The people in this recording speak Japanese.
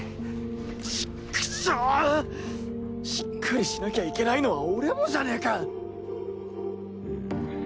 ちっくしょうしっかりしなきゃいけないのは俺もじゃねぇか